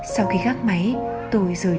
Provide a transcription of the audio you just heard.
sau khi gác máy tôi rơi nước mắt